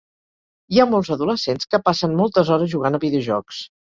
Hi ha molts adolescents que passen moltes hores jugant a videojocs.